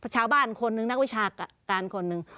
ชาวบ้านคนหนึ่งนักวิชาการคนหนึ่ง